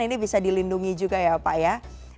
ini bisa dilindungi juga ya pak ya